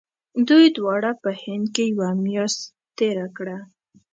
دوی دواړو په هند کې یوه میاشت تېره کړه.